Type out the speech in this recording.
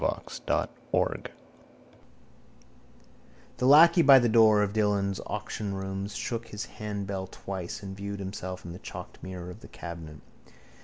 The lacquey by the door of Dillon's auctionrooms shook his handbell twice again and viewed himself in the chalked mirror of the cabinet.